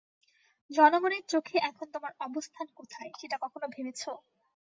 জনগণের চোখে এখন তোমার অবস্থান কোথায় সেটা কখনো ভেবেছো?